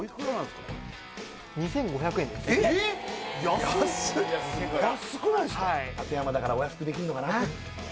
安い・はい館山だからお安くできるのかな？